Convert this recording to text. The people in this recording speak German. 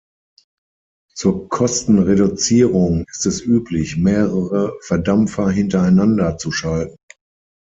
Zur Kostenreduzierung ist es üblich, mehrere Verdampfer hintereinander zu schalten.